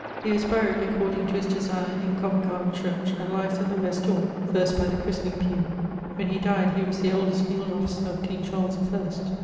He was buried, according to his desire, in Convent garden church, and lies at the west dore, first by the christning pew. When he died, he was the oldest field officer of king Charles the first.